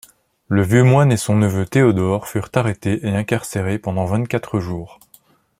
Le vieux moine et son neveu Théodore furent arrêtés et incarcérés pendant vingt-quatre jours.